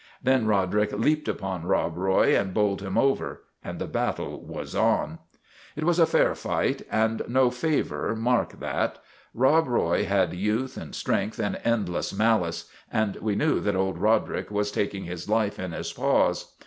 Then Roderick leaped upon Rob Roy and bowled him over, and the battle was on, JUSTICE AT VALLEY BROOK 109 " It was a fair fight and no favor mark that. Rob Roy had youth and strength and endless malice, and we knew that old Roderick was taking his life in his paws.